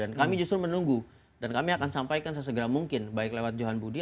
dan kami justru menunggu dan kami akan sampaikan sesegera mungkin baik lewat johan budi